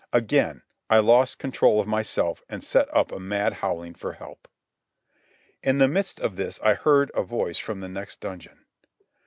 Again I lost control of myself and set up a mad howling for help. In the midst of this I heard a voice from the next dungeon.